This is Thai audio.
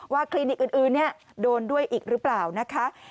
คลินิกอื่นโดนด้วยอีกหรือเปล่านะคะ